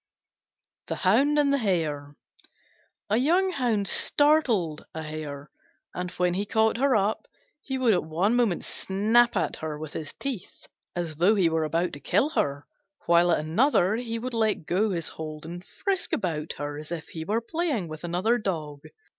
THE HOUND AND THE HARE A young Hound started a Hare, and, when he caught her up, would at one moment snap at her with his teeth as though he were about to kill her, while at another he would let go his hold and frisk about her, as if he were playing with another dog.